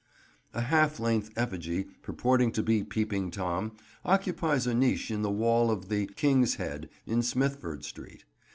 A half length effigy purporting to be Peeping Tom occupies a niche in the wall of the "King's Head" in Smithford Street.